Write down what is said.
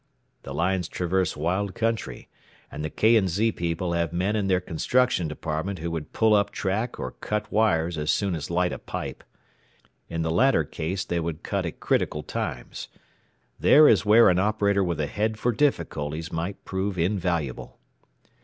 The lines traverse wild country, and the K. & Z. people have men in their construction department who would pull up track or cut wires as soon as light a pipe. In the latter case they would cut at critical times. There is where an operator with a head for difficulties might prove invaluable."